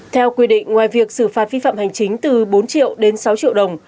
theo quy định ngoài việc xử phạt vi phạm hành chính từ bốn triệu đến sáu triệu đồng